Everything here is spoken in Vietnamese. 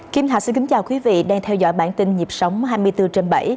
kim thạch xin kính chào quý vị đang theo dõi bản tin nhịp sống hai mươi bốn trên bảy